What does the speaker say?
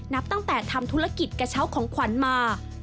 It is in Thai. นับตั้งแต่ทำธุรกิจกระเช้าของขวัญมา